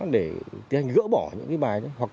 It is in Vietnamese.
để gỡ bỏ những bài